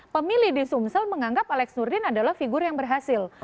pemilih di sumsel menganggap alex nurdin adalah figur yang berhasil